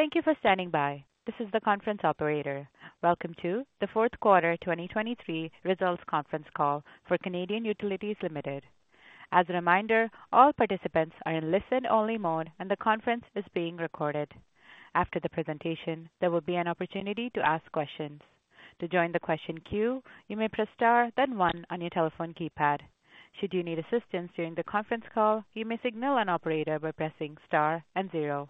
Thank you for standing by. This is the conference operator. Welcome to the Q4 2023 Results Conference Call for Canadian Utilities Limited. As a reminder, all participants are in listen-only mode and the conference is being recorded. After the presentation, there will be an opportunity to ask questions. To join the question queue, you may press star then one on your telephone keypad. Should you need assistance during the conference call, you may signal an operator by pressing star and zero.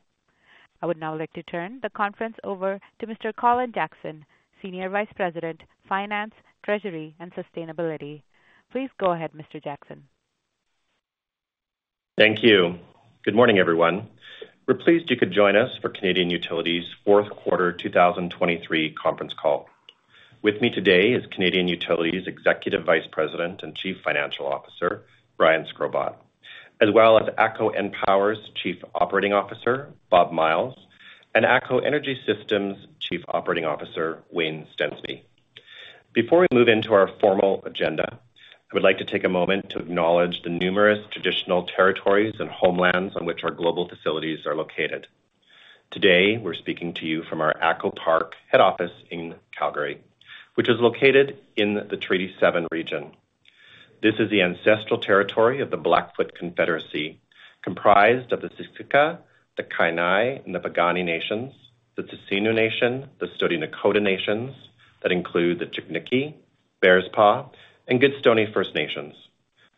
I would now like to turn the conference over to Mr. Colin Jackson, Senior Vice President, Finance, Treasury, and Sustainability. Please go ahead, Mr. Jackson. Thank you. Good morning, everyone. We're pleased you could join us for Canadian Utilities' Q4 2023 Conference Call. With me today is Canadian Utilities' Executive Vice President and Chief Financial Officer, Brian Shkrobot, as well as ATCO EnPower's Chief Operating Officer, Bob Myles, and ATCO Energy Systems' Chief Operating Officer, Wayne Stensby. Before we move into our formal agenda, I would like to take a moment to acknowledge the numerous traditional territories and homelands on which our global facilities are located. Today we're speaking to you from our ATCO Park Head Office in Calgary, which is located in the Treaty 7 region. This is the ancestral territory of the Blackfoot Confederacy, comprised of the Siskiyik, the Kainai, and the Pagani Nations, the Tsisinu Nation, the Stodinakoda Nations that include the Chickniquee, Bearspaw, and Goodstonee First Nations.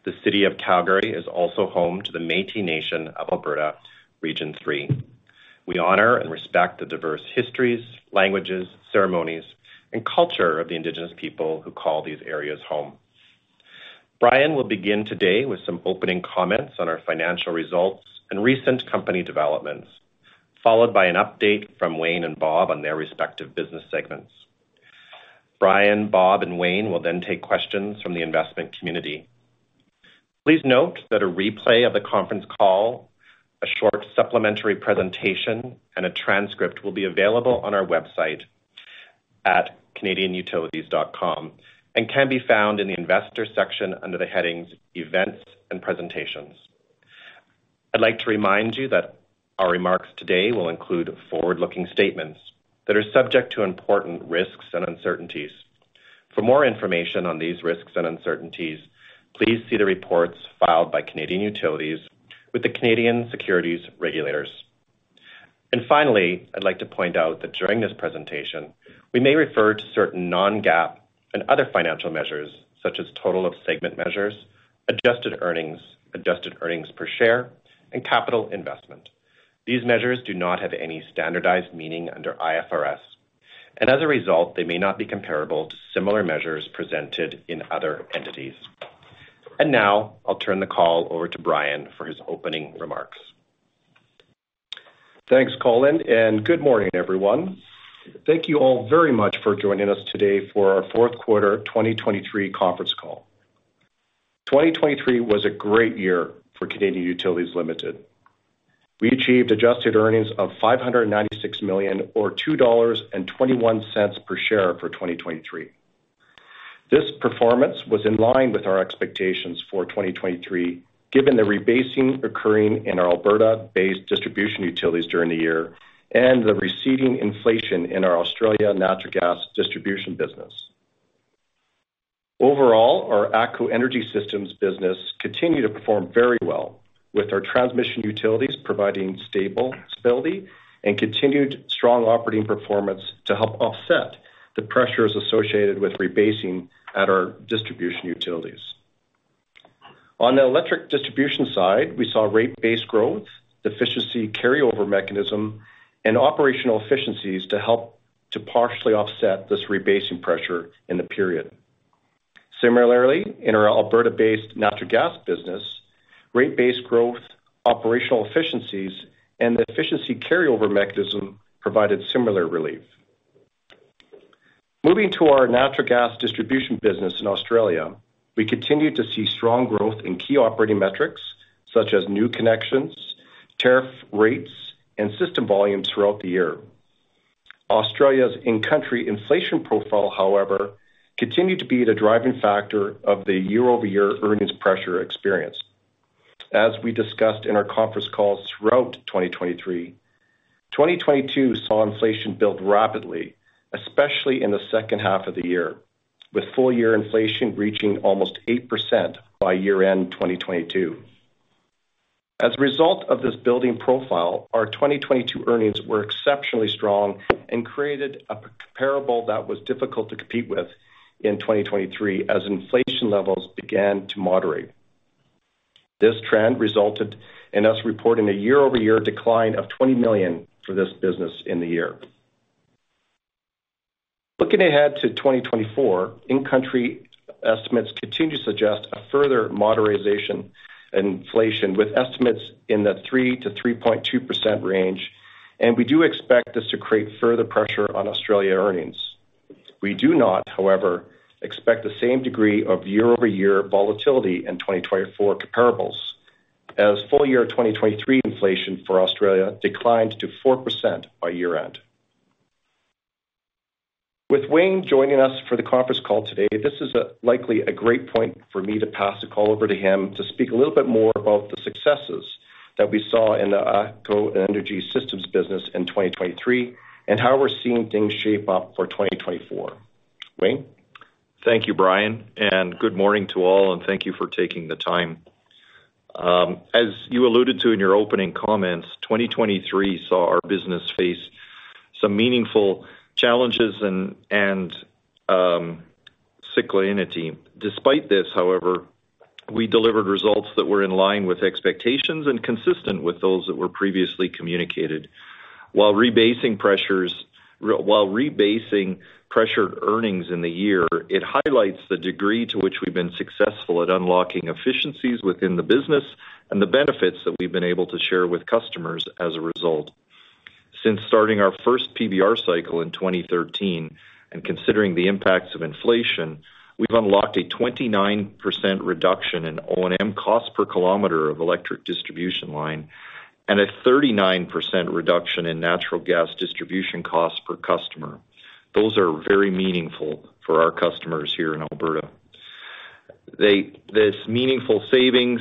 The city of Calgary is also home to the Métis Nation of Alberta, Region three. We honor and respect the diverse histories, languages, ceremonies, and culture of the Indigenous people who call these areas home. Brian will begin today with some opening comments on our financial results and recent company developments, followed by an update from Wayne and Bob on their respective business segments. Brian, Bob, and Wayne will then take questions from the investment community. Please note that a replay of the conference call, a short supplementary presentation, and a transcript will be available on our website at canadianutilities.com and can be found in the investor section under the headings Events and Presentations. I'd like to remind you that our remarks today will include forward-looking statements that are subject to important risks and uncertainties. For more information on these risks and uncertainties, please see the reports filed by Canadian Utilities with the Canadian securities regulators. Finally, I'd like to point out that during this presentation, we may refer to certain non-GAAP and other financial measures such as total of segment measures, adjusted earnings, adjusted earnings per share, and capital investment. These measures do not have any standardized meaning under IFRS, and as a result, they may not be comparable to similar measures presented in other entities. Now I'll turn the call over to Brian for his opening remarks. Thanks, Colin, and good morning, everyone. Thank you all very much for joining us today for our Q4 2023 Conference Call. 2023 was a great year for Canadian Utilities Limited. We achieved adjusted earnings of $ 596 million or $ 2.21 per share for 2023. This performance was in line with our expectations for 2023, given the rebasing occurring in our Alberta-based distribution utilities during the year and the receding inflation in our Australia natural gas distribution business. Overall, our ATCO Energy Systems business continued to perform very well, with our transmission utilities providing stable stability and continued strong operating performance to help offset the pressures associated with rebasing at our distribution utilities. On the electric distribution side, we saw rate-based growth, efficiency carryover mechanism, and operational efficiencies to help to partially offset this rebasing pressure in the period. Similarly, in our Alberta-based natural gas business, rate-based growth, operational efficiencies, and the efficiency carryover mechanism provided similar relief. Moving to our natural gas distribution business in Australia, we continued to see strong growth in key operating metrics such as new connections, tariff rates, and system volume throughout the year. Australia's in-country inflation profile, however, continued to be the driving factor of the year-over-year earnings pressure experience. As we discussed in our conference calls throughout 2023, 2022 saw inflation build rapidly, especially in the second half of the year, with full-year inflation reaching almost 8% by year-end 2022. As a result of this building profile, our 2022 earnings were exceptionally strong and created a comparable that was difficult to compete with in 2023 as inflation levels began to moderate. This trend resulted in us reporting a year-over-year decline of $ 20 million for this business in the year. Looking ahead to 2024, in-country estimates continue to suggest a further moderation in inflation, with estimates in the 3% to 3.2% range, and we do expect this to create further pressure on Australia earnings. We do not, however, expect the same degree of year-over-year volatility in 2024 comparables, as full-year 2023 inflation for Australia declined to 4% by year-end. With Wayne joining us for the conference call today, this is likely a great point for me to pass the call over to him to speak a little bit more about the successes that we saw in the ATCO Energy Systems business in 2023 and how we're seeing things shape up for 2024. Wayne? Thank you, Brian, and good morning to all, and thank you for taking the time. As you alluded to in your opening comments, 2023 saw our business face some meaningful challenges and cyclicity. Despite this, however, we delivered results that were in line with expectations and consistent with those that were previously communicated. While rebasing pressured earnings in the year, it highlights the degree to which we've been successful at unlocking efficiencies within the business and the benefits that we've been able to share with customers as a result. Since starting our first PBR cycle in 2013 and considering the impacts of inflation, we've unlocked a 29% reduction in O&M cost per kilometer of electric distribution line and a 39% reduction in natural gas distribution cost per customer. Those are very meaningful for our customers here in Alberta. This meaningful savings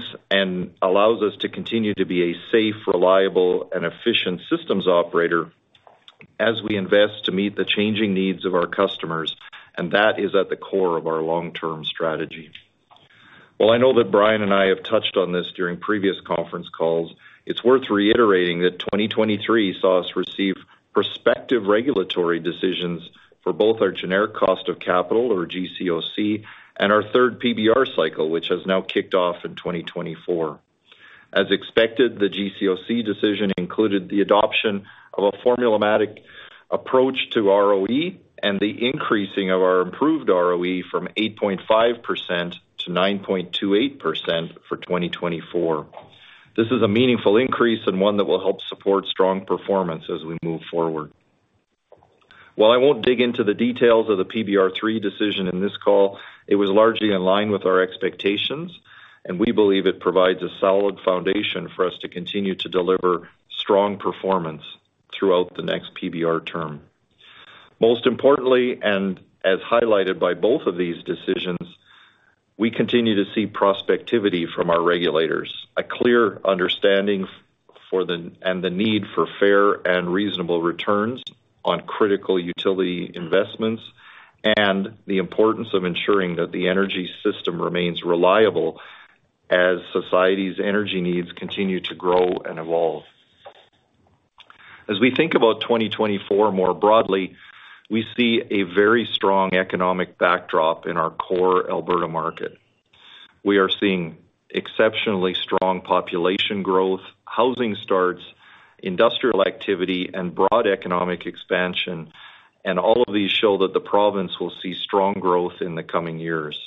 allows us to continue to be a safe, reliable, and efficient systems operator as we invest to meet the changing needs of our customers, and that is at the core of our long-term strategy. While I know that Brian and I have touched on this during previous conference calls, it's worth reiterating that 2023 saw us receive positive regulatory decisions for both our generic cost of capital, or GCOC, and our third PBR cycle, which has now kicked off in 2024. As expected, the GCOC decision included the adoption of a formulaic approach to ROE and the increasing of our implied ROE from 8.5% to 9.28% for 2024. This is a meaningful increase and one that will help support strong performance as we move forward. While I won't dig into the details of the PBR three decision in this call, it was largely in line with our expectations, and we believe it provides a solid foundation for us to continue to deliver strong performance throughout the next PBR term. Most importantly, and as highlighted by both of these decisions, we continue to see prospectivity from our regulators, a clear understanding and the need for fair and reasonable returns on critical utility investments, and the importance of ensuring that the energy system remains reliable as society's energy needs continue to grow and evolve. As we think about 2024 more broadly, we see a very strong economic backdrop in our core Alberta market. We are seeing exceptionally strong population growth, housing starts, industrial activity, and broad economic expansion, and all of these show that the province will see strong growth in the coming years.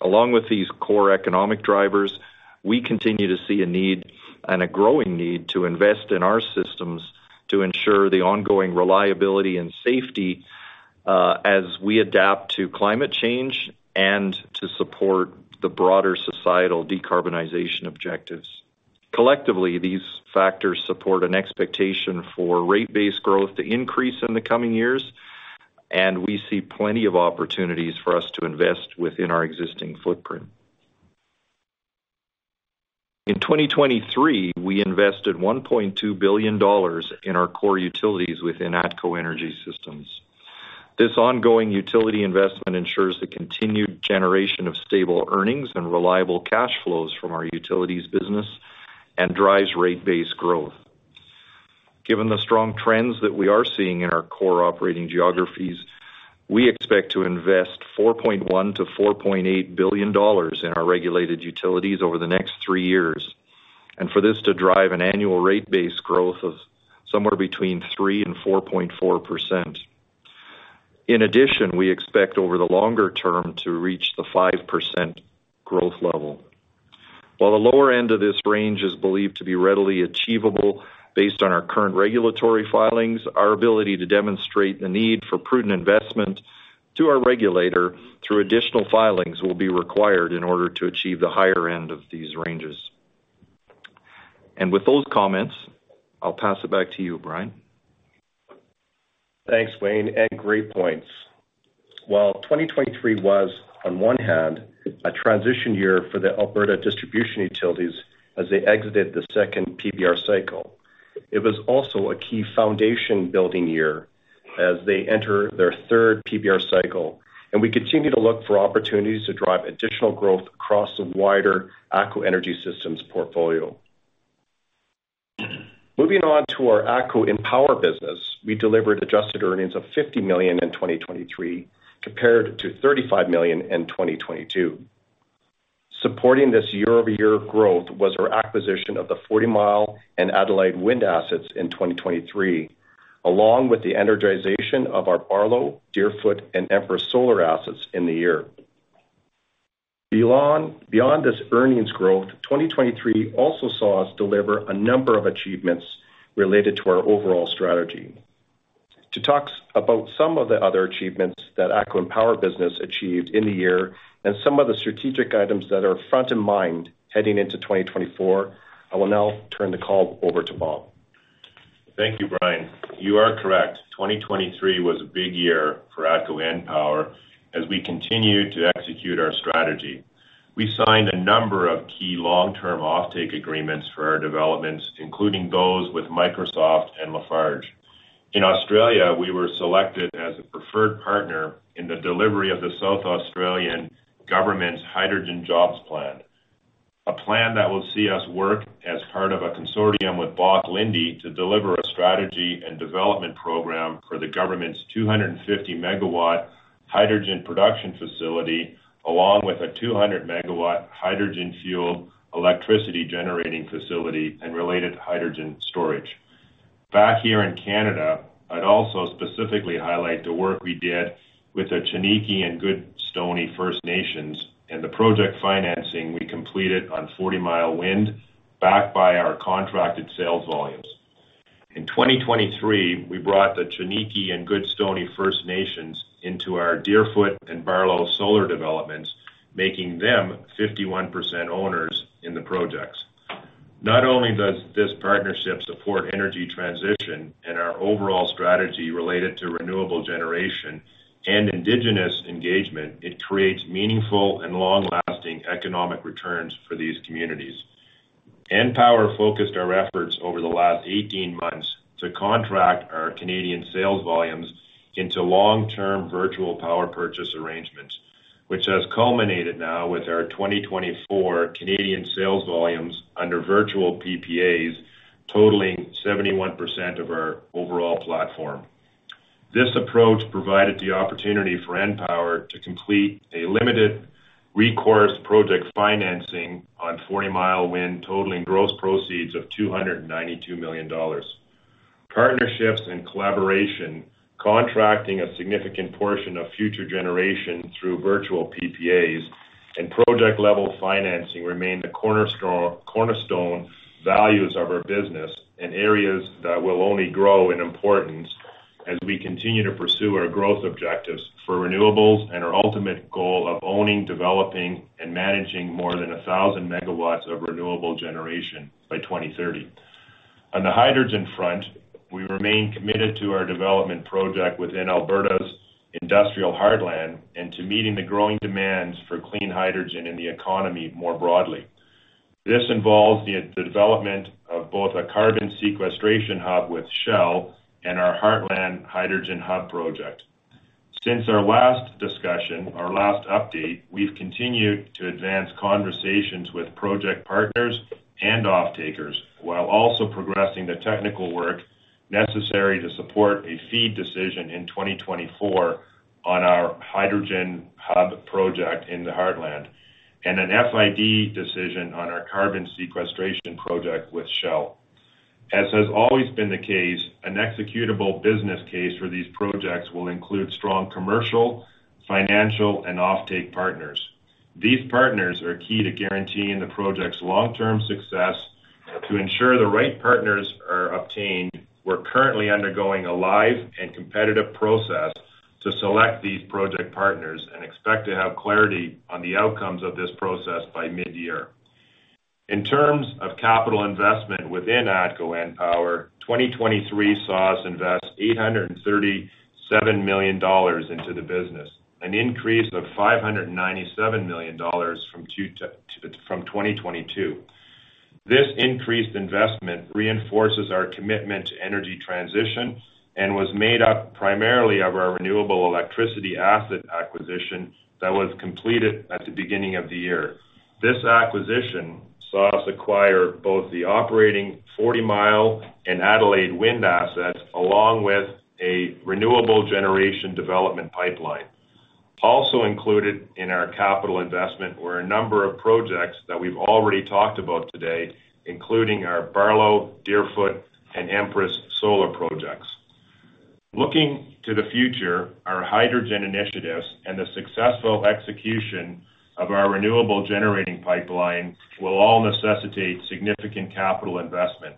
Along with these core economic drivers, we continue to see a need and a growing need to invest in our systems to ensure the ongoing reliability and safety as we adapt to climate change and to support the broader societal decarbonization objectives. Collectively, these factors support an expectation for rate-based growth to increase in the coming years, and we see plenty of opportunities for us to invest within our existing footprint. In 2023, we invested $ 1.2 billion in our core utilities within ATCO Energy Systems. This ongoing utility investment ensures the continued generation of stable earnings and reliable cash flows from our utilities business and drives rate-based growth. Given the strong trends that we are seeing in our core operating geographies, we expect to invest $ 4.1 billion to 4.8 billion in our regulated utilities over the next three years, and for this to drive an annual rate-based growth of somewhere between 3% to 4.4%. In addition, we expect over the longer term to reach the 5% growth level. While the lower end of this range is believed to be readily achievable based on our current regulatory filings, our ability to demonstrate the need for prudent investment to our regulator through additional filings will be required in order to achieve the higher end of these ranges. With those comments, I'll pass it back to you, Brian. Thanks, Wayne, and great points. While 2023 was, on one hand, a transition year for the Alberta distribution utilities as they exited the second PBR cycle, it was also a key foundation-building year as they enter their third PBR cycle, and we continue to look for opportunities to drive additional growth across the wider ATCO Energy Systems portfolio. Moving on to our ATCO EnPower business, we delivered adjusted earnings of $ 50 million in 2023 compared to $ 35 million in 2022. Supporting this year-over-year growth was our acquisition of the 40 Mile and Adelaide Wind assets in 2023, along with the energization of our Barlow Solar, Deerfoot Solar, and Empress Solar assets in the year. Beyond this earnings growth, 2023 also saw us deliver a number of achievements related to our overall strategy. To talk about some of the other achievements that ATCO EnPower business achieved in the year and some of the strategic items that are front of mind heading into 2024, I will now turn the call over to Bob. Thank you, Brian. You are correct. 2023 was a big year for ATCO EnPower as we continue to execute our strategy. We signed a number of key long-term offtake agreements for our developments, including those with Microsoft and Lafarge. In Australia, we were selected as a preferred partner in the delivery of the South Australian government's hydrogen jobs plan, a plan that will see us work as part of a consortium with Fortescue to deliver a strategy and development program for the government's 250 MW hydrogen production facility, along with a 200 MW hydrogen-fueled electricity-generating facility and related hydrogen storage. Back here in Canada, I'd also specifically highlight the work we did with the Chiniki and Goodstoney First Nations and the project financing we completed on 40 Mile Wind backed by our contracted sales volumes. In 2023, we brought the Chiniki and Goodstoney First Nations into our Deerfoot Solar and Barlow Solar developments, making them 51% owners in the projects. Not only does this partnership support energy transition and our overall strategy related to renewable generation and Indigenous engagement, it creates meaningful and long-lasting economic returns for these communities. EnPower focused our efforts over the last 18 months to contract our Canadian sales volumes into long-term virtual power purchase arrangements, which has culminated now with our 2024 Canadian sales volumes under virtual PPAs totaling 71% of our overall platform. This approach provided the opportunity for EnPower to complete a limited recourse project financing on 40 Mile Wind totaling gross proceeds of $ 292 million. Partnerships and collaboration, contracting a significant portion of future generation through virtual PPAs and project-level financing remain the cornerstone values of our business and areas that will only grow in importance as we continue to pursue our growth objectives for renewables and our ultimate goal of owning, developing, and managing more than 1,000 megawatts of renewable generation by 2030. On the hydrogen front, we remain committed to our development project within Alberta's Industrial Heartland and to meeting the growing demands for clean hydrogen in the economy more broadly. This involves the development of both a carbon sequestration hub with Shell and our Heartland Hydrogen Hub project. Since our last discussion, our last update, we've continued to advance conversations with project partners and offtakers while also progressing the technical work necessary to support a FEED decision in 2024 on our hydrogen hub project in the Heartland and an FID decision on our carbon sequestration project with Shell. As has always been the case, an executable business case for these projects will include strong commercial, financial, and offtake partners. These partners are key to guaranteeing the project's long-term success. To ensure the right partners are obtained, we're currently undergoing a live and competitive process to select these project partners and expect to have clarity on the outcomes of this process by mid-year. In terms of capital investment within ATCO EnPower, 2023 saw us invest $ 837 million into the business, an increase of $ 597 million from 2022. This increased investment reinforces our commitment to energy transition and was made up primarily of our renewable electricity asset acquisition that was completed at the beginning of the year. This acquisition saw us acquire both the operating 40-Mile Wind and Adelaide Wind assets along with a renewable generation development pipeline. Also included in our capital investment were a number of projects that we've already talked about today, including our Barlow Solar, Deerfoot Solar, and Empress Solar projects. Looking to the future, our hydrogen initiatives and the successful execution of our renewable generating pipeline will all necessitate significant capital investment.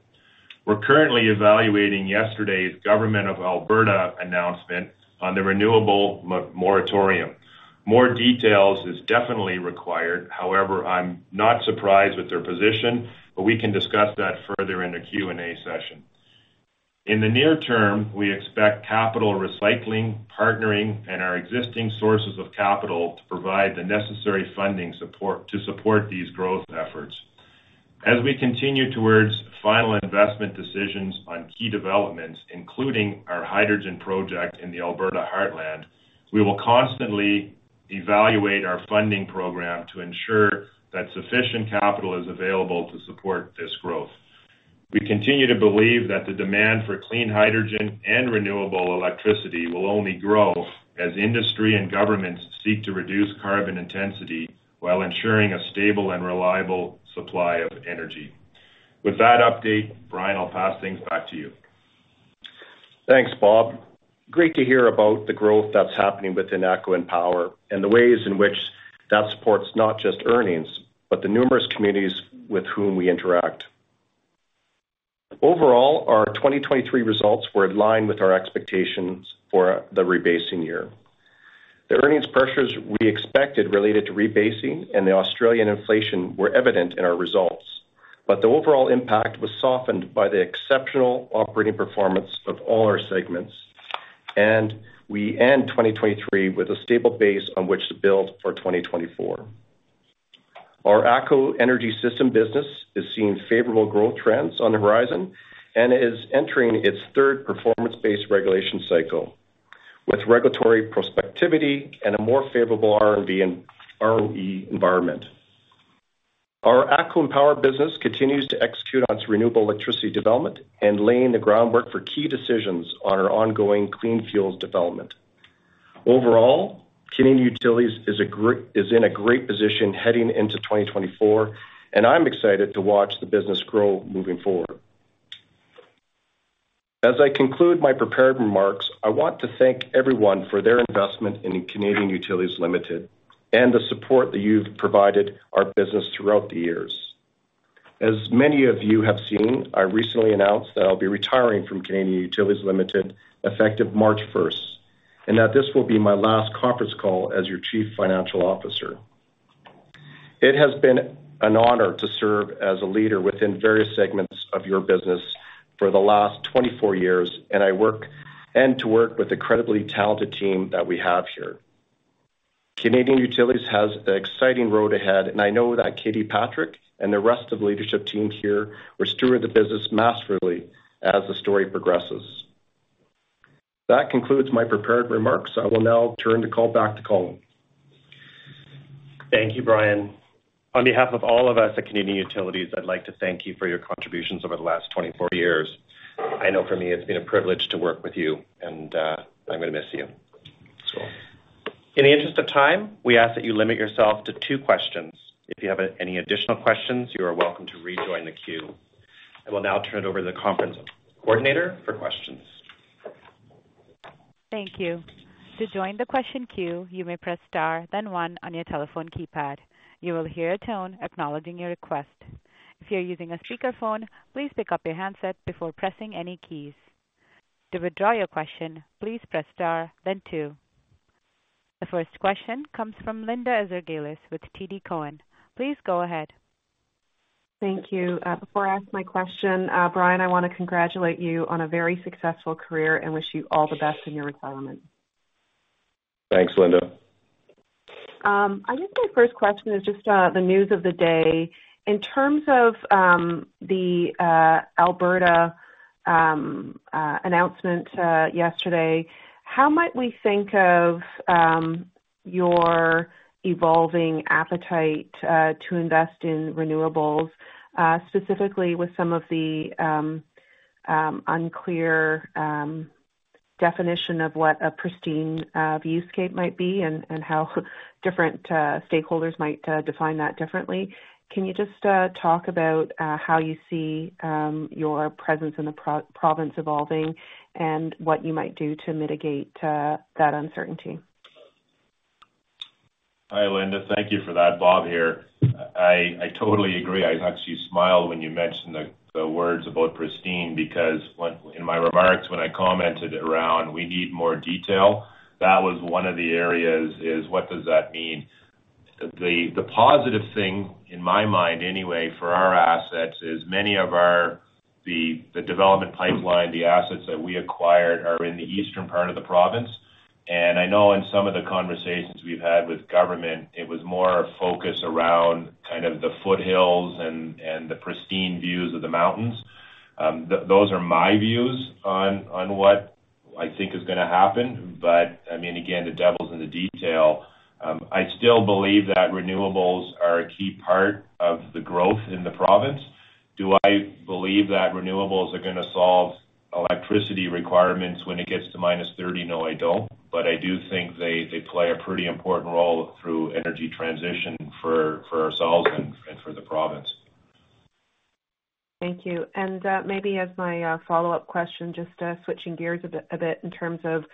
We're currently evaluating yesterday's Government of Alberta announcement on the renewable moratorium. More details are definitely required. However, I'm not surprised with their position, but we can discuss that further in a Q&A session. In the near term, we expect capital recycling, partnering, and our existing sources of capital to provide the necessary funding support to support these growth efforts. As we continue towards final investment decisions on key developments, including our hydrogen project in the Alberta heartland, we will constantly evaluate our funding program to ensure that sufficient capital is available to support this growth. We continue to believe that the demand for clean hydrogen and renewable electricity will only grow as industry and governments seek to reduce carbon intensity while ensuring a stable and reliable supply of energy. With that update, Brian, I'll pass things back to you. Thanks, Bob. Great to hear about the growth that's happening within ATCO EnPower and the ways in which that supports not just earnings, but the numerous communities with whom we interact. Overall, our 2023 results were in line with our expectations for the rebasing year. The earnings pressures we expected related to rebasing and the Australian inflation were evident in our results, but the overall impact was softened by the exceptional operating performance of all our segments, and we end 2023 with a stable base on which to build for 2024. Our ATCO Energy Systems business is seeing favorable growth trends on the horizon and is entering its third performance-based regulation cycle with regulatory prospectivity and a more favorable R&D and ROE environment. Our ATCO EnPower business continues to execute on its renewable electricity development and laying the groundwork for key decisions on our ongoing clean fuels development. Overall, Canadian Utilities is in a great position heading into 2024, and I'm excited to watch the business grow moving forward. As I conclude my prepared remarks, I want to thank everyone for their investment in Canadian Utilities Limited and the support that you've provided our business throughout the years. As many of you have seen, I recently announced that I'll be retiring from Canadian Utilities Limited effective 1 March and that this will be my last conference call as your Chief Financial Officer. It has been an honor to serve as a leader within various segments of your business for the last 24 years, and to work with the incredibly talented team that we have here. Canadian Utilities has an exciting road ahead, and I know that Katie Patrick and the rest of the leadership team here will steward the business masterfully as the story progresses. That concludes my prepared remarks. I will now turn the call back to Colin. Thank you, Brian. On behalf of all of us at Canadian Utilities, I'd like to thank you for your contributions over the last 24 years. I know for me, it's been a privilege to work with you, and I'm going to miss you. In the interest of time, we ask that you limit yourself to two questions. If you have any additional questions, you are welcome to rejoin the queue. I will now turn it over to the conference coordinator for questions. Thank you. To join the question queue, you may press star, then one, on your telephone keypad. You will hear a tone acknowledging your request. If you're using a speakerphone, please pick up your handset before pressing any keys. To withdraw your question, please press star, then two. The first question comes from Linda Ezergailis with TD Cowen. Please go ahead. Thank you. Before I ask my question, Brian, I want to congratulate you on a very successful career and wish you all the best in your retirement. Thanks, Linda. I guess my first question is just the news of the day. In terms of the Alberta announcement yesterday, how might we think of your evolving appetite to invest in renewables, specifically with some of the unclear definition of what a pristine viewscape might be and how different stakeholders might define that differently? Can you just talk about how you see your presence in the province evolving and what you might do to mitigate that uncertainty? Hi, Linda. Thank you for that. Bob here. I totally agree. I actually smiled when you mentioned the words about pristine because in my remarks, when I commented around, "We need more detail," that was one of the areas, is what does that mean? The positive thing in my mind, anyway, for our assets is many of the development pipeline, the assets that we acquired are in the eastern part of the province. And I know in some of the conversations we've had with government, it was more a focus around kind of the foothills and the pristine views of the mountains. Those are my views on what I think is going to happen. But I mean, again, the devil's in the detail. I still believe that renewables are a key part of the growth in the province. Do I believe that renewables are going to solve electricity requirements when it gets to -30? No, I don't. But I do think they play a pretty important role through energy transition for ourselves and for the province. Thank you. And maybe as my follow-up question, just switching gears a bit in terms of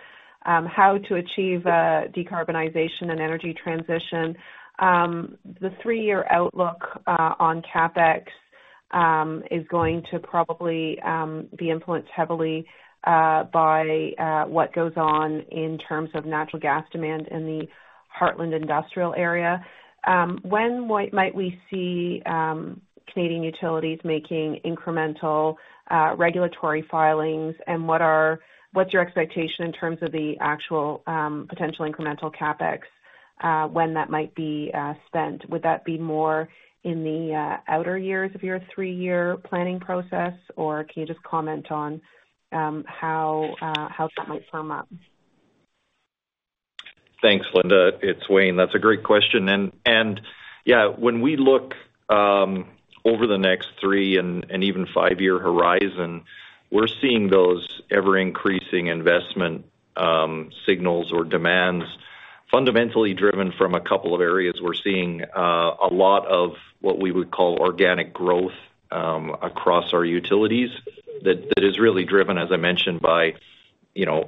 how to achieve decarbonization and energy transition, the three-year outlook on CapEx is going to probably be influenced heavily by what goes on in terms of natural gas demand in Alberta's Industrial Heartland. When might we see Canadian Utilities making incremental regulatory filings? And what's your expectation in terms of the actual potential incremental CapEx when that might be spent? Would that be more in the outer years of your three-year planning process, or can you just comment on how that might firm up? Thanks, Linda. It's Wayne. That's a great question. And yeah, when we look over the next thee and even five-year horizon, we're seeing those ever-increasing investment signals or demands fundamentally driven from a couple of areas. We're seeing a lot of what we would call organic growth across our utilities that is really driven, as I mentioned, by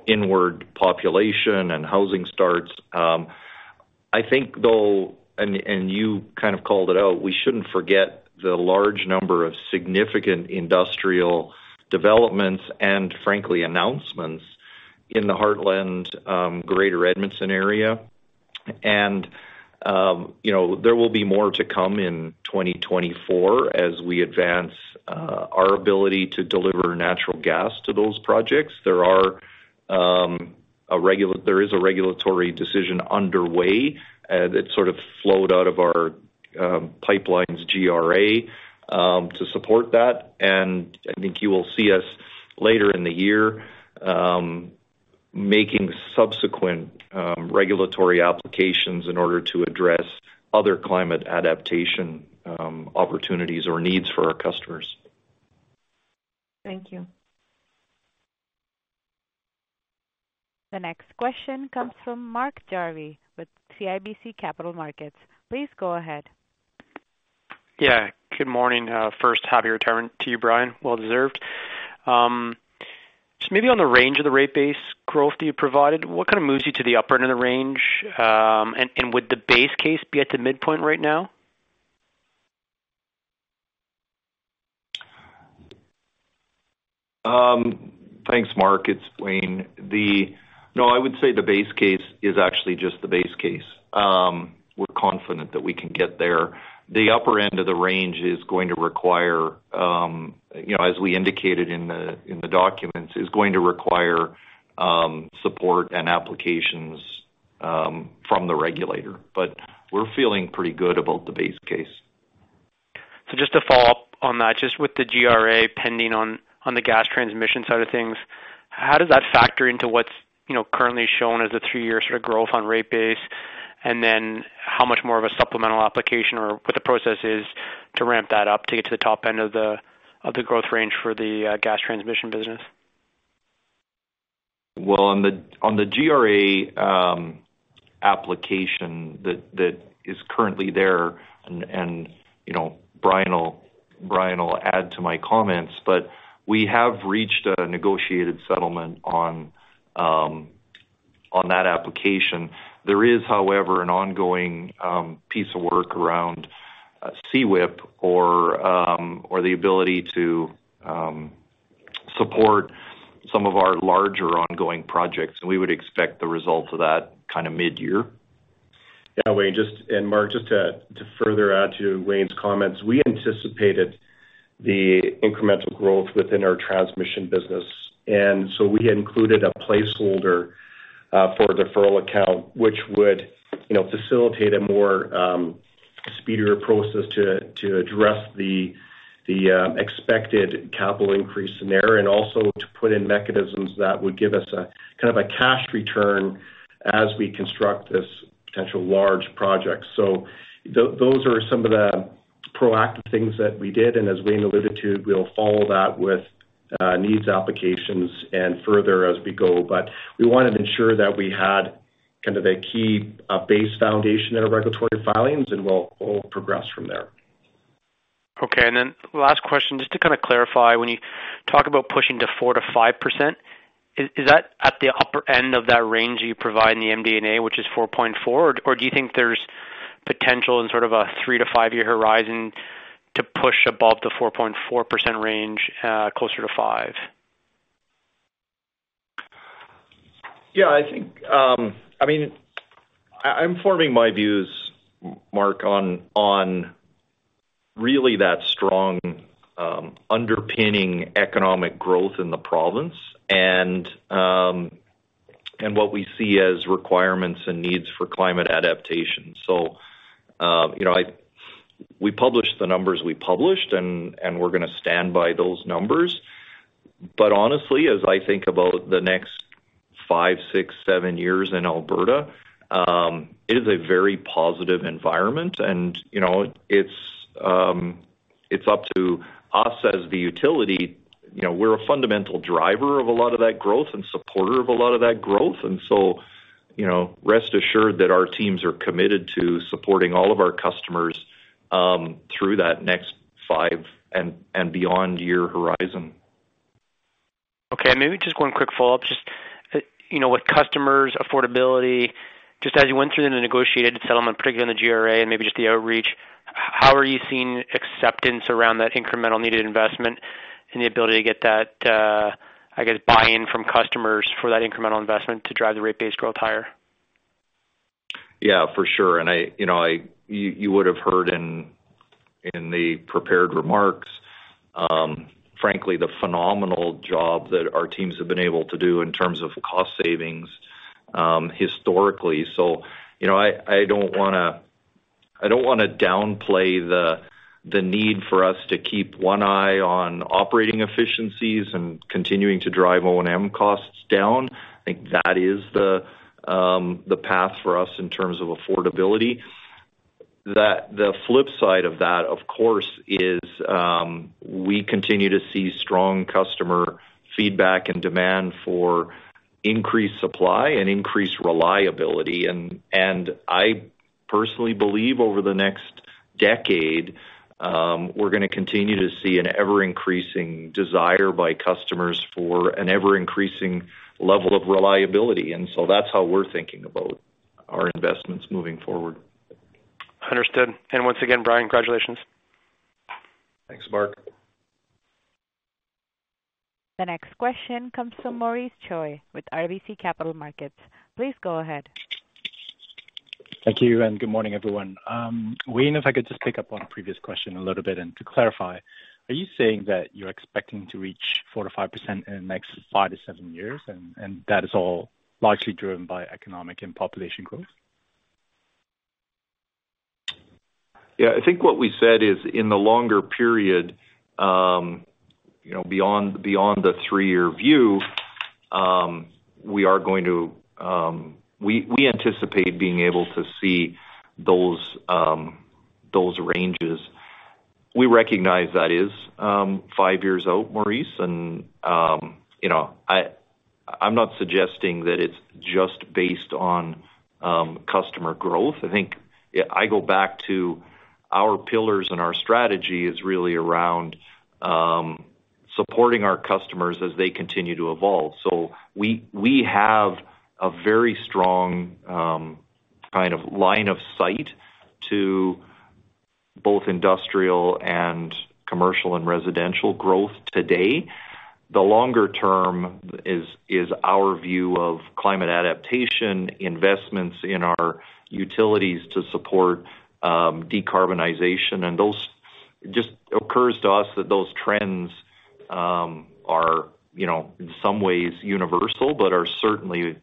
inward population and housing starts. I think, though, and you kind of called it out, we shouldn't forget the large number of significant industrial developments and, frankly, announcements in the heartland, Greater Edmonton area. And there will be more to come in 2024 as we advance our ability to deliver natural gas to those projects. There is a regulatory decision underway that sort of flowed out of our pipelines, GRA, to support that. I think you will see us later in the year making subsequent regulatory applications in order to address other climate adaptation opportunities or needs for our customers. Thank you. The next question comes from Mark Jarvi with CIBC Capital Markets. Please go ahead. Yeah. Good morning. First, happy retirement to you, Brian. Well-deserved. Just maybe on the range of the rate base growth that you provided, what kind of moves you to the upper end of the range? And would the base case be at the midpoint right now? Thanks, Mark. It's Wayne. No, I would say the base case is actually just the base case. We're confident that we can get there. The upper end of the range is going to require, as we indicated in the documents, is going to require support and applications from the regulator. But we're feeling pretty good about the base case. Just to follow up on that, just with the GRA pending on the gas transmission side of things, how does that factor into what's currently shown as the three-year sort of growth on rate base and then how much more of a supplemental application or what the process is to ramp that up to get to the top end of the growth range for the gas transmission business? Well, on the GRA application that is currently there, and Brian will add to my comments, but we have reached a negotiated settlement on that application. There is, however, an ongoing piece of work around CWIP or the ability to support some of our larger ongoing projects. We would expect the results of that kind of mid-year. Yeah, Wayne. And Mark, just to further add to Wayne's comments, we anticipated the incremental growth within our transmission business. And so we had included a placeholder for a deferral account, which would facilitate a more speedier process to address the expected capital increase in there and also to put in mechanisms that would give us kind of a cash return as we construct this potential large project. So those are some of the proactive things that we did. And as Wayne alluded to, we'll follow that with needs applications and further as we go. But we wanted to ensure that we had kind of a key base foundation in our regulatory filings, and we'll progress from there. Okay. And then last question, just to kind of clarify, when you talk about pushing to 4% to 5%, is that at the upper end of that range that you provide in the MD&A, which is 4.4%, or do you think there's potential in sort of a three-five-year horizon to push above the 4.4% range closer to 5%? Yeah. I mean, I'm forming my views, Mark, on really that strong underpinning economic growth in the province and what we see as requirements and needs for climate adaptation. We published the numbers we published, and we're going to stand by those numbers. But honestly, as I think about the next five, six, seven years in Alberta, it is a very positive environment. And it's up to us as the utility. We're a fundamental driver of a lot of that growth and supporter of a lot of that growth. And so rest assured that our teams are committed to supporting all of our customers through that next 5 and beyond-year horizon. Okay. Maybe just one quick follow-up. Just with customers, affordability, just as you went through the negotiated settlement, particularly on the GRA and maybe just the outreach, how are you seeing acceptance around that incremental needed investment and the ability to get that, I guess, buy-in from customers for that incremental investment to drive the rate-based growth higher? Yeah, for sure. You would have heard in the prepared remarks, frankly, the phenomenal job that our teams have been able to do in terms of cost savings historically. I don't want to I don't want to downplay the need for us to keep one eye on operating efficiencies and continuing to drive O&M costs down. I think that is the path for us in terms of affordability. The flip side of that, of course, is we continue to see strong customer feedback and demand for increased supply and increased reliability. I personally believe over the next de$e, we're going to continue to see an ever-increasing desire by customers for an ever-increasing level of reliability. So that's how we're thinking about our investments moving forward. Understood. And once again, Brian, congratulations. Thanks, Mark. The next question comes from Maurice Choy with RBC Capital Markets. Please go ahead. Thank you. Good morning, everyone. Wayne, if I could just pick up on a previous question a little bit. To clarify, are you saying that you're expecting to reach 4%-5% in the next 5-7 years, and that is all largely driven by economic and population growth? Yeah. I think what we said is in the longer period, beyond the 3-year view, we are going to—we anticipate being able to see those ranges. We recognize that is 5 years out, Maurice. And I'm not suggesting that it's just based on customer growth. I think I go back to our pillars and our strategy is really around supporting our customers as they continue to evolve. So we have a very strong kind of line of sight to both industrial and commercial and residential growth today. The longer term is our view of climate adaptation, investments in our utilities to support decarbonization. And it just occurs to us that those trends are, in some ways, universal but are certainly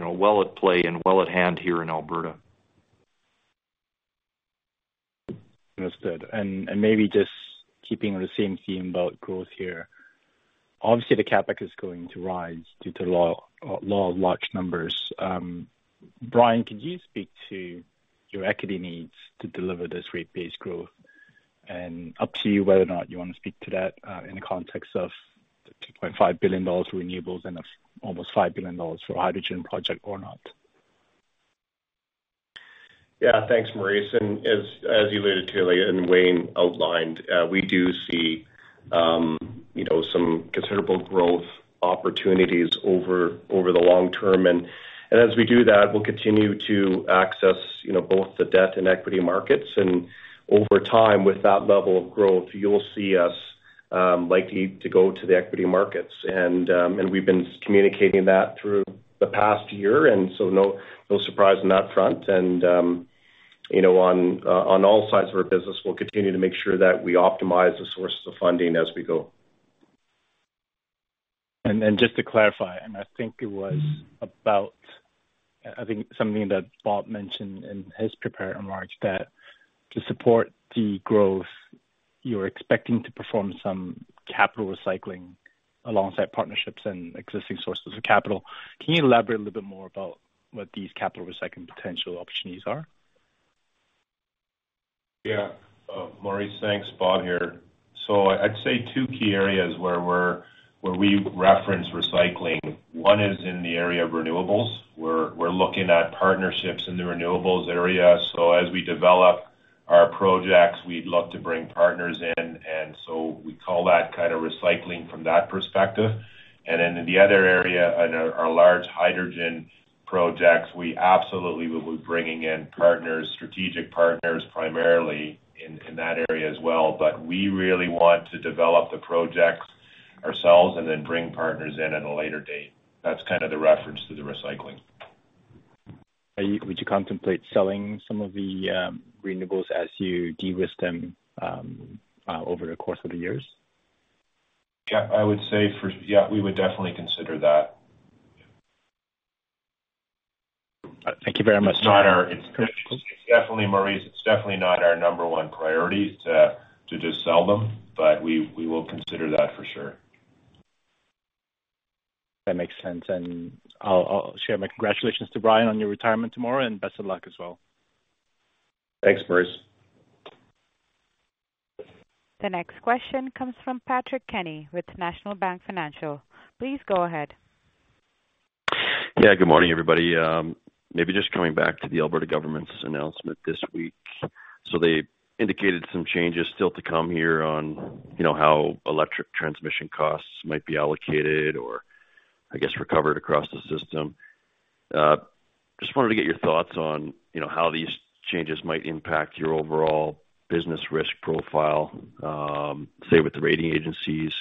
well at play and well at hand here in Alberta. Understood. And maybe just keeping on the same theme about growth here, obviously, the CapEx is going to rise due to large numbers. Brian, could you speak to your equity needs to deliver this rate-based growth? And up to you whether or not you want to speak to that in the context of $ 2.5 billion for renewables and almost $ 5 billion for a hydrogen project or not. Yeah. Thanks, Maurice. And as you alluded to, and Wayne outlined, we do see some considerable growth opportunities over the long term. And as we do that, we'll continue to access both the debt and equity markets. And over time, with that level of growth, you'll see us likely to go to the equity markets. And we've been communicating that through the past year. And so no surprise on that front. And on all sides of our business, we'll continue to make sure that we optimize the sources of funding as we go. And just to clarify, and I think it was about I think something that Bob mentioned in his prepared remarks that to support the growth, you're expecting to perform some capital recycling alongside partnerships and existing sources of capital. Can you elaborate a little bit more about what these capital recycling potential opportunities are? Yeah. Maurice, thanks. Bob here. So I'd say two key areas where we reference recycling. One is in the area of renewables. We're looking at partnerships in the renewables area. So as we develop our projects, we'd love to bring partners in. And so we call that kind of recycling from that perspective. And then in the other area, in our large hydrogen projects, we absolutely will be bringing in strategic partners primarily in that area as well. But we really want to develop the projects ourselves and then bring partners in at a later date. That's kind of the reference to the recycling. Would you contemplate selling some of the renewables as you de-risk them over the course of the years? Yeah. I would say, yeah, we would definitely consider that. Thank you very much. It's definitely, Maurice, it's definitely not our number one priority to just sell them, but we will consider that for sure. That makes sense. I'll share my congratulations to Brian on your retirement tomorrow and best of luck as well. Thanks, Maurice. The next question comes from Patrick Kenny with National Bank Financial. Please go ahead. Yeah. Good morning, everybody. Maybe just coming back to the Alberta government's announcement this week. So they indicated some changes still to come here on how electric transmission costs might be allocated or, I guess, recovered across the system. Just wanted to get your thoughts on how these changes might impact your overall business risk profile, say, with the rating agencies,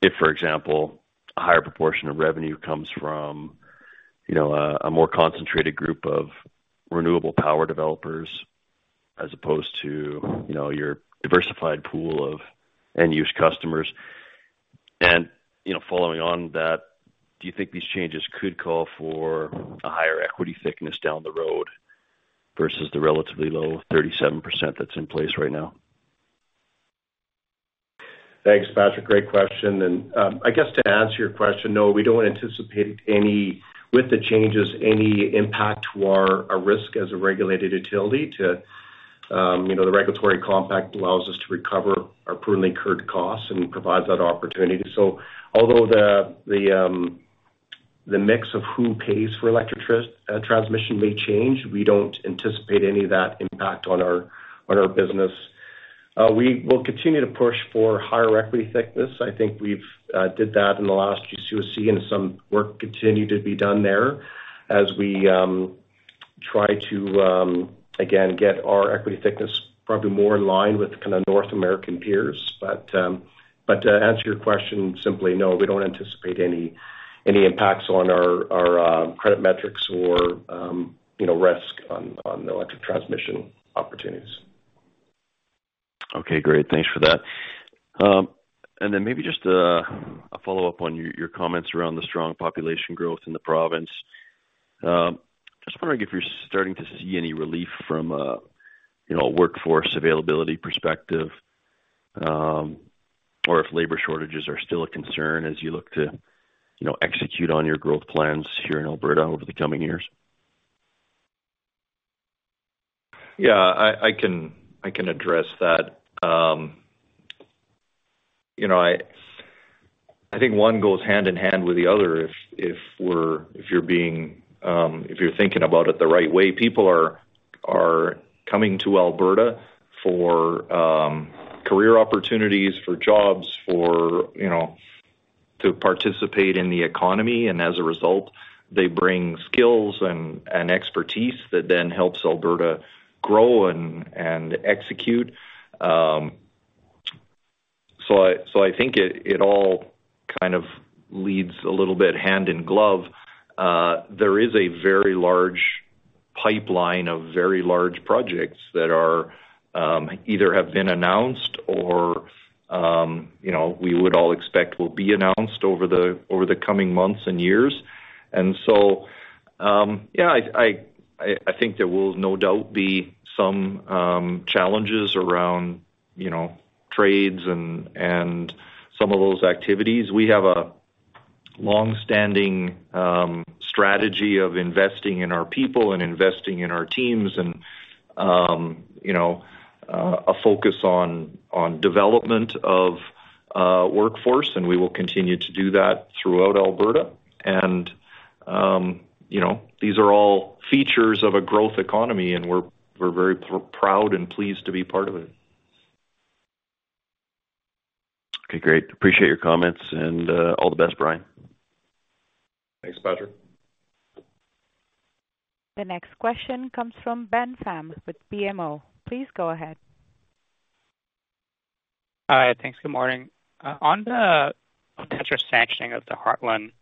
if, for example, a higher proportion of revenue comes from a more concentrated group of renewable power developers as opposed to your diversified pool of end-use customers. And following on that, do you think these changes could call for a higher equity thickness down the road versus the relatively low 37% that's in place right now? Thanks, Patrick. Great question. And I guess to answer your question, no, we don't anticipate with the changes any impact to our risk as a regulated utility. The regulatory compact allows us to recover our prudently incurred costs and provides that opportunity. So although the mix of who pays for electric transmission may change, we don't anticipate any of that impact on our business. We will continue to push for higher equity thickness. I think we've did that in the last GCOC, and some work continued to be done there as we try to, again, get our equity thickness probably more in line with kind of North American peers. But to answer your question simply, no, we don't anticipate any impacts on our credit metrics or risk on electric transmission opportunities. Okay. Great. Thanks for that. And then maybe just a follow-up on your comments around the strong population growth in the province. Just wondering if you're starting to see any relief from a workforce availability perspective or if labor shortages are still a concern as you look to execute on your growth plans here in Alberta over the coming years? Yeah. I can address that. I think one goes hand in hand with the other if you're thinking about it the right way. People are coming to Alberta for career opportunities, for jobs, to participate in the economy. And as a result, they bring skills and expertise that then helps Alberta grow and execute. So I think it all kind of leads a little bit hand in glove. There is a very large pipeline of very large projects that either have been announced or we would all expect will be announced over the coming months and years. And so yeah, I think there will no doubt be some challenges around trades and some of those activities. We have a longstanding strategy of investing in our people and investing in our teams and a focus on development of workforce. And we will continue to do that throughout Alberta. These are all features of a growth economy, and we're very proud and pleased to be part of it. Okay. Great. Appreciate your comments. All the best, Brian. Thanks, Patrick. The next question comes from Ben Pham with BMO. Please go ahead. Hi. Thanks. Good morning. On the potential sanctioning of the Heartland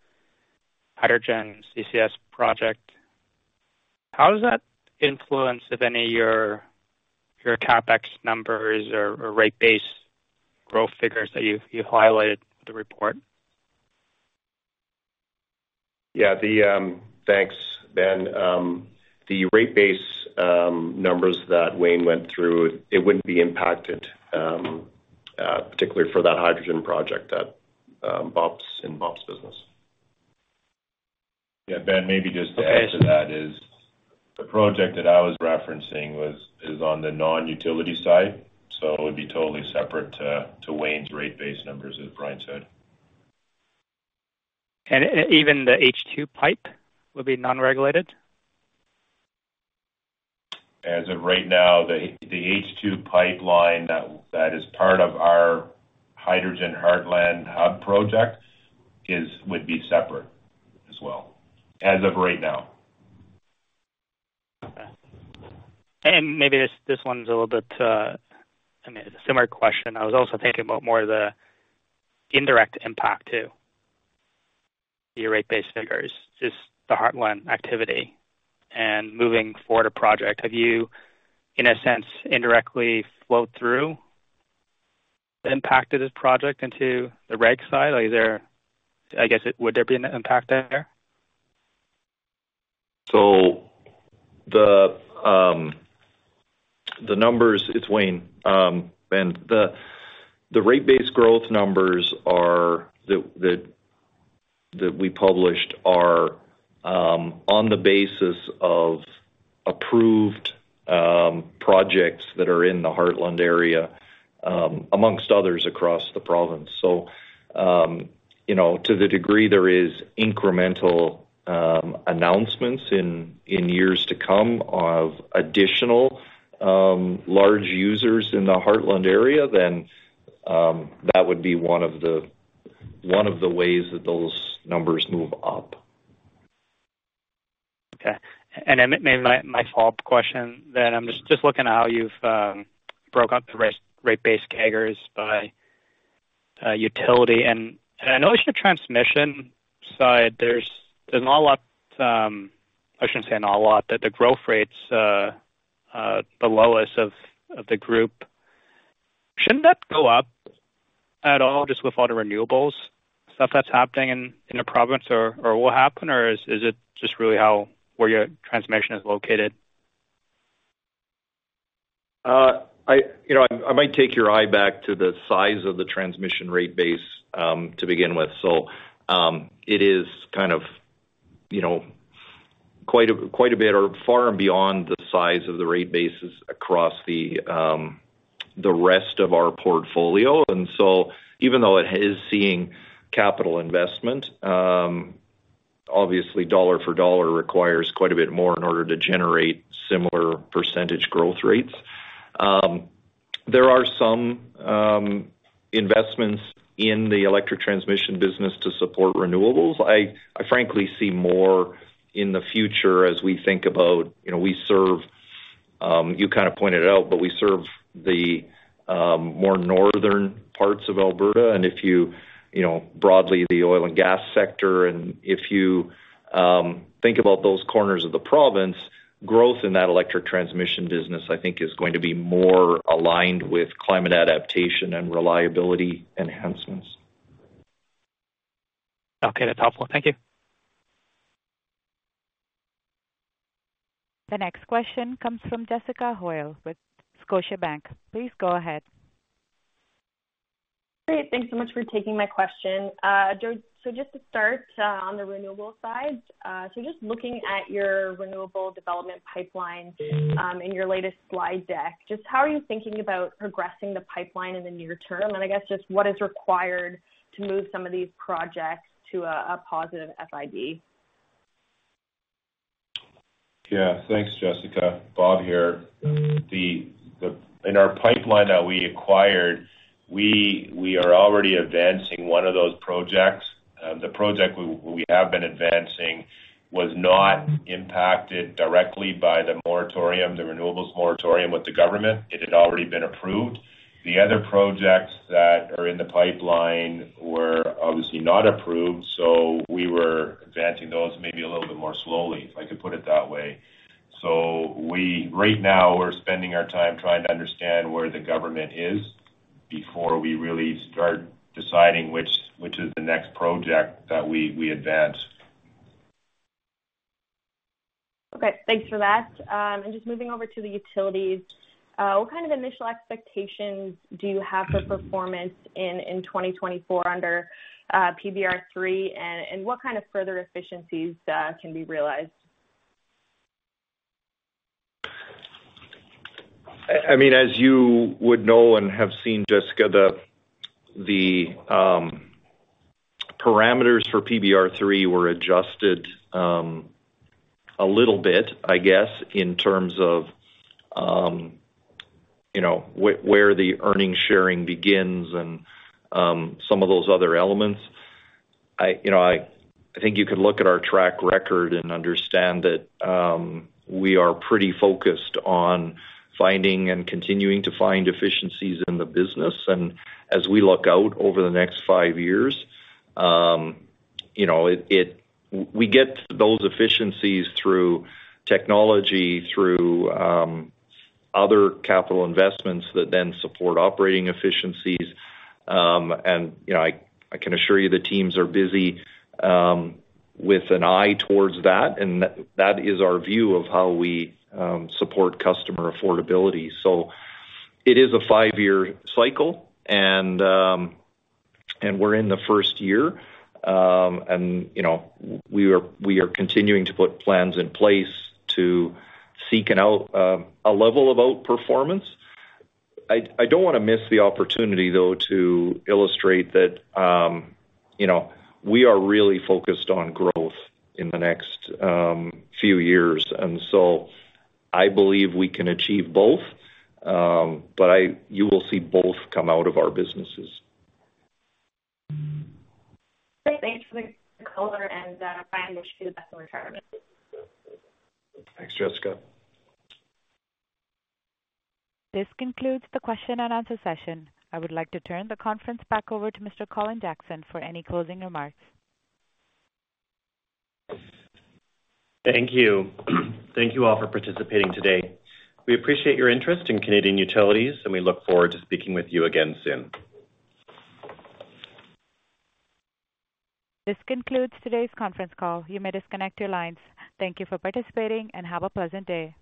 Hydrogen CCS project, how does that influence, if any, your CapEx numbers or rate-based growth figures that you've highlighted with the report? Yeah. Thanks, Ben. The rate-based numbers that Wayne went through, it wouldn't be impacted, particularly for that hydrogen project in Bob's business. Yeah. Ben, maybe just to add to that is the project that I was referencing is on the non-utility side. So it would be totally separate to Wayne's rate-based numbers as Brian said. Even the H2 pipe would be non-regulated? As of right now, the H2 pipeline that is part of our Heartland Hydrogen Hub project would be separate as well as of right now. Okay. And maybe this one's a little bit I mean, similar question. I was also thinking about more of the indirect impact too, your rate-based figures, just the Heartland activity. And moving forward to project, have you, in a sense, indirectly flowed through the impact of this project into the reg side? I guess would there be an impact there? It's Wayne, Ben. The rate-based growth numbers that we published are on the basis of approved projects that are in the Heartland area, among others, across the province. To the degree there is incremental announcements in years to come of additional large users in the Heartland area, then that would be one of the ways that those numbers move up. Okay. Maybe my follow-up question then. I'm just looking at how you've broke up the rate-based capex by utility. I know on your transmission side, there's not a lot I shouldn't say not a lot, but the growth rates, the lowest of the group, shouldn't that go up at all just with all the renewables stuff that's happening in the province? Or will it happen? Or is it just really where your transmission is located? I might take your eye back to the size of the transmission rate base to begin with. So it is kind of quite a bit or far and beyond the size of the rate bases across the rest of our portfolio. And so even though it is seeing capital investment, obviously, dollar for dollar requires quite a bit more in order to generate similar percentage growth rates. There are some investments in the electric transmission business to support renewables. I frankly see more in the future as we think about we serve you kind of pointed it out, but we serve the more northern parts of Alberta. And if you broadly the oil and gas sector, and if you think about those corners of the province, growth in that electric transmission business, I think, is going to be more aligned with climate adaptation and reliability enhancements. Okay. That's helpful. Thank you. The next question comes from Jessica Hoyle with Scotiabank. Please go ahead. Great. Thanks so much for taking my question. Just to start on the renewable side, so just looking at your renewable development pipeline in your latest slide deck, just how are you thinking about progressing the pipeline in the near term? And I guess just what is required to move some of these projects to a positive FID? Yeah. Thanks, Jessica. Bob here. In our pipeline that we acquired, we are already advancing one of those projects. The project we have been advancing was not impacted directly by the renewables moratorium with the government. It had already been approved. The other projects that are in the pipeline were, obviously, not approved. So we were advancing those maybe a little bit more slowly, if I could put it that way. So right now, we're spending our time trying to understand where the government is before we really start deciding which is the next project that we advance. Okay. Thanks for that. Just moving over to the utilities, what kind of initial expectations do you have for performance in 2024 under PBR3? What kind of further efficiencies can be realized? I mean, as you would know and have seen, Jessica, the parameters for PBR3 were adjusted a little bit, I guess, in terms of where the earnings sharing begins and some of those other elements. I think you could look at our track record and understand that we are pretty focused on finding and continuing to find efficiencies in the business. And as we look out over the next five years, we get those efficiencies through technology, through other capital investments that then support operating efficiencies. And I can assure you the teams are busy with an eye towards that. And that is our view of how we support customer affordability. So it is a five-year cycle, and we're in the first year. And we are continuing to put plans in place to seek out a level of outperformance. I don't want to miss the opportunity, though, to illustrate that we are really focused on growth in the next few years. So I believe we can achieve both, but you will see both come out of our businesses. Great. Thanks for the call, Lauren and Brian. Wish you the best in retirement. Thanks, Jessica. This concludes the question-and-answer session. I would like to turn the conference back over to Mr. Colin Jackson for any closing remarks. Thank you. Thank you all for participating today. We appreciate your interest in Canadian Utilities, and we look forward to speaking with you again soon. This concludes today's conference call. You may disconnect your lines. Thank you for participating, and have a pleasant day.